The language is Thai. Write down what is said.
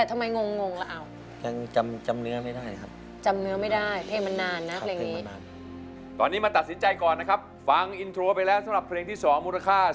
ศิลปินเขาเป็นขวัญใจผู้ใช้แรงงานบ๊วยก็อด